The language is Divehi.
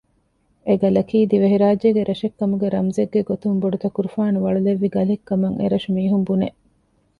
އެގަލަކީ ދިވެހިރާއްޖޭގެ ރަށެއްކަމުގެ ރަމްޒެއްގެ ގޮތުން ބޮޑުތަކުރުފާނު ވަޅުލެއްވި ގަލެއް ކަމަށް އެރަށު މީހުން ބުނެ